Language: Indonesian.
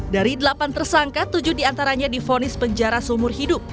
dari delapan tersangka tujuh diantaranya difonis penjara seumur hidup